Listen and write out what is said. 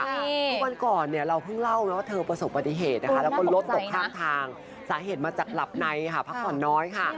เพราะวันก่อนเนี่ยเราเพิ่งเล่านะว่าเธอประสบปฏิเหตุนะคะแล้วก็รถตกข้างทางสาเหตุมาจากหลับในค่ะพักผ่อนน้อยค่ะ